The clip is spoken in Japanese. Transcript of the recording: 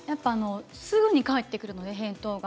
すぐにかえってくるので返答が。